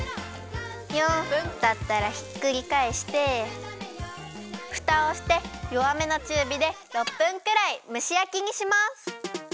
４分たったらひっくりかえしてふたをしてよわめのちゅうびで６分くらいむしやきにします。